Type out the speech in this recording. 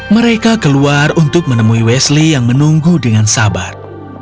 mereka keluar untuk menemui wesley yang menunggu dengan sabar